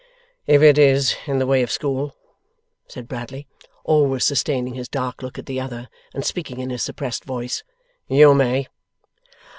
'If it is in the way of school,' said Bradley, always sustaining his dark look at the other, and speaking in his suppressed voice, 'you may.